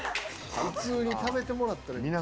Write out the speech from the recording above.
普通に食べてもらったら。